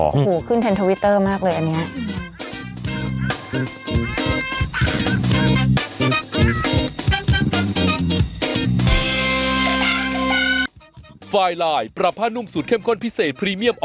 ขู่ขึ้นแทนทวิตเตอร์มากเลยอันเนี้ย